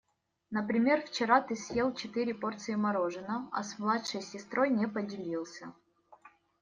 Например, вчера ты съел четыре порции мороженого, а с младшей сестрой не поделился.